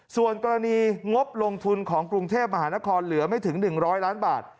ส่วนกรณีงบลงทุนของกรุงเทพมหานครเหลือไม่ถึง๑๐๐ล้านบาท